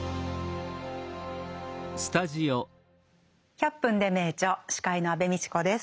「１００分ｄｅ名著」司会の安部みちこです。